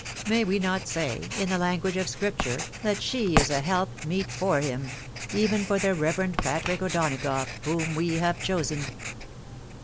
May we not say, in the language ef Scriptue, that she is a help meet for him, even far the Reverend Catriei (y Donagoughy whom we have ehesen